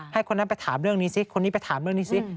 คนนั้นไปถามเรื่องนี้ซิคนนี้ไปถามเรื่องนี้สิ